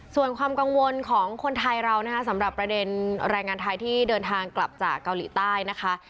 ส่วนความกังวลของคนไทยเรานะคะสำหรับประเด็นแรงงานไทยที่เดินทางกลับจากเกาหลีใต้นะคะ